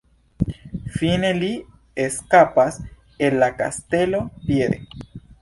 Fine, li eskapas el la kastelo piede.